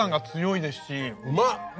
うまっ。